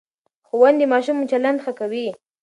ښوونې د ماشوم چلند ښه کوي.